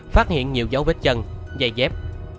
phát hiện nhiều dấu vết chân dây dép